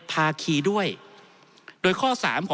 ท่านประธานครับนี่คือสิ่งที่สุดท้ายของท่านครับ